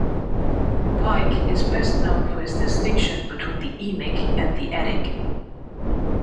Pike is best known for his distinction between the "emic" and the "etic".